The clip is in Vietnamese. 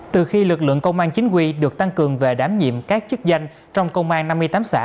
từ khi lực lượng công an chính quy được tăng cường về đảm nhiệm các chức danh trong công an năm mươi tám xã